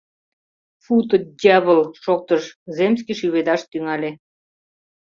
— Фу, ты, дьявыл! — шоктыш, земский шӱведаш тӱҥале.